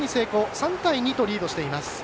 ３対２とリードしています。